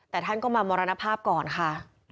แต่ท่านก็มามรณภาพก่อนค่ะ